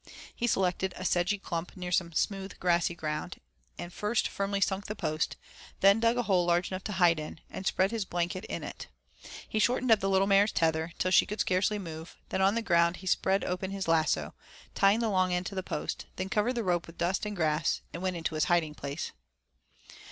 He selected a sedgy clump near some smooth, grassy ground, and first firmly sunk the post, then dug a hole large enough to hide in, and spread his blanket in it. He shortened up the little mare's tether, till she could scarcely move; then on the ground between he spread his open lasso, tying the long end to the post, then covered the rope with dust and grass, and went into his hiding place.